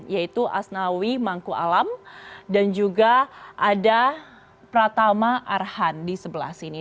yaitu asnawi mangku alam dan juga ada pratama arhan di sebelah sini